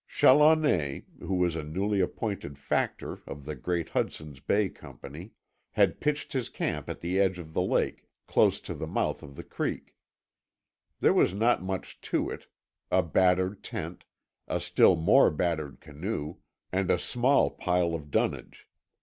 Challoner, who was a newly appointed factor of the Great Hudson's Bay Company, had pitched his camp at tie edge of the lake dose to the mouth of the creek. There was not much to it a battered tent, a still more battered canoe, and a small pile of dunnage.